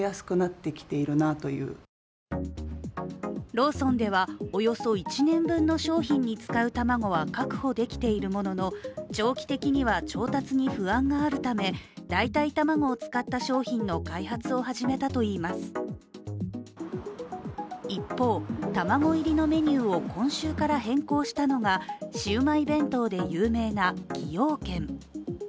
ローソンでは、およそ１年分の商品に使う卵は確保できているものの、長期的には調達に不安があるため、代替卵を使った商品の開発を始めたといいます一方、卵入りのメニューを今週から変更したのがシウマイ弁当で有名な崎陽軒。